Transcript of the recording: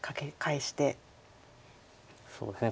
そうですね。